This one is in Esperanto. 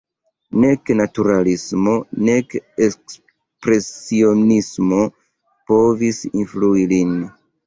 Nek naturalismo nek ekspresionismo povis influi lin.